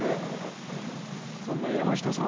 そんな山下さん